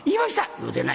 「言うてない」。